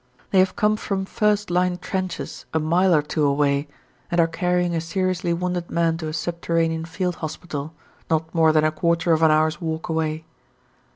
They have come from first line trenches a mile or two away and are carrying a seriously wounded man to a subterranean field hospital, not more than a quarter of an hour's walk away.